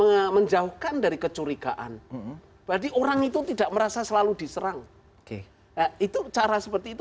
hai menjauhkan dari kecurigaan berarti orang itu tidak merasa selalu diserang itu cara seperti itu